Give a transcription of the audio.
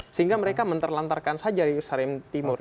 sehingga mereka menterlantarkan saja yerusalem timur